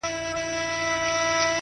سیاه پوسي ده ـ ورځ نه ده شپه ده ـ